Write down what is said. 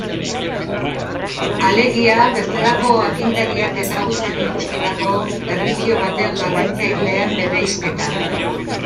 Alegia, bestelako agintariak ezagutzen dituztelako, erlijio baten jarraitzaileen bereizketa.